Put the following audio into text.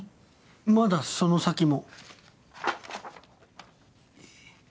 まだその先も。